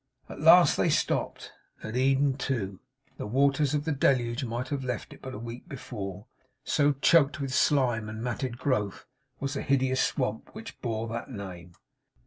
At last they stopped. At Eden too. The waters of the Deluge might have left it but a week before; so choked with slime and matted growth was the hideous swamp which bore that name.